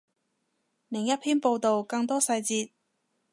另一篇报道，更多细节